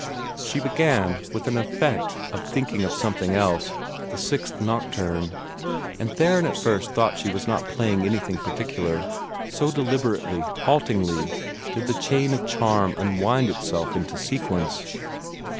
She began, with an effect of thinking of something else, the Sixth Nocturne, and Theron at first thought she was not playing anything in particular, so deliberately, haltingly, did the chain of charm unwind itself into sequence.